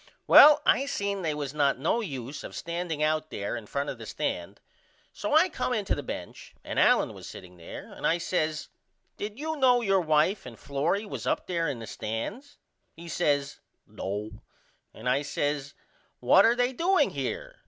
Well I seen they was not no use of standing out there in front of the stand so I come into the bench and Allen was setting there and I says Did you know your wife and Florrie was up there in the stand? He says No and I says What are they doing here?